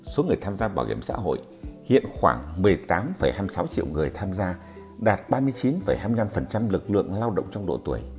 số người tham gia bảo hiểm xã hội hiện khoảng một mươi tám hai mươi sáu triệu người tham gia đạt ba mươi chín hai mươi năm lực lượng lao động trong độ tuổi